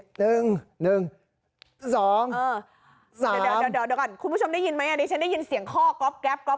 คุณผู้ชมได้ยินไหมดิฉันได้ยินเสียงข้อก๊อปแก๊ป